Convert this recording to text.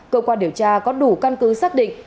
cơ quan điều tra có đủ căn cứ xác định